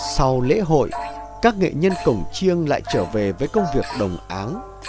sau lễ hội các nghệ nhân cổng chiêng lại trở về với công việc đồng áng